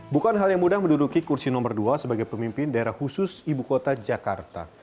bukan hal yang mudah menduduki kursi nomor dua sebagai pemimpin daerah khusus ibu kota jakarta